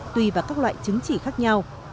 tùy vào các loại chứng chỉ khác nhau